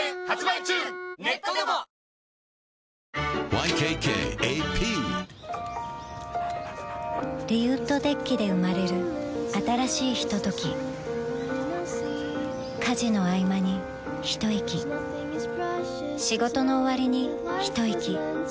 ＹＫＫＡＰリウッドデッキで生まれる新しいひととき家事のあいまにひといき仕事のおわりにひといき